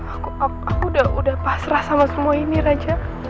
aku udah pasrah sama semua ini raja